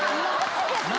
何？